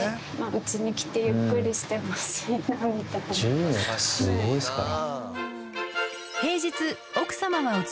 １０年ってすごいですから。